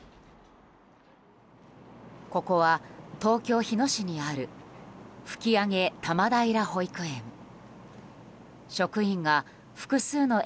ここは東京・日野市にある吹上多摩平保育園。